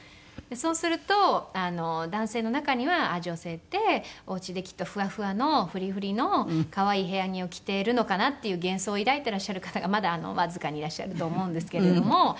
そうすると男性の中には女性ってお家できっとふわふわのフリフリの可愛い部屋着を着ているのかなっていう幻想を抱いていらっしゃる方がまだわずかにいらっしゃると思うんですけれども。